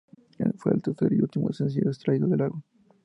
Fue el tercer y último sencillo extraído del álbum.